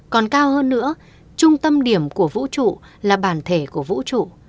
còn cao hơn nữa trung tâm điểm của vũ trụ là bản thể của vũ trụ